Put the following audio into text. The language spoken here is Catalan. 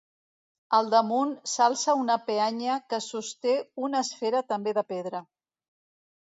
Al damunt s'alça una peanya que sosté una esfera també de pedra.